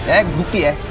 ya bukti ya